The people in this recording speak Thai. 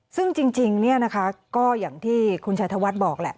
ซึ่งจริงเนี่ยนะคะก็อย่างที่คุณชัยธวัฒน์บอกแหละ